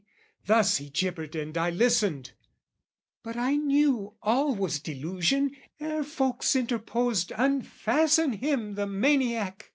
thus "He gibbered and I listened; but I knew "All was delusion, ere folks interposed "'Unfasten him, the maniac!'